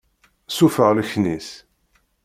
Sufeɣ leknis.